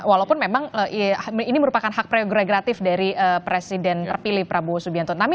walaupun memang ini merupakan hak prerogatif dari presiden terpilih prabowo subianto